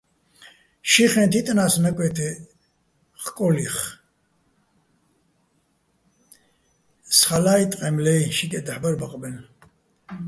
ში ხეჼ თიტნა́ს ნაკვე́თე ხკული́ხ, სხალაჲ, ტყემლე́ჲ, შიკეჸ დაჰ̦ ბარ ბაყბაჲლნო̆.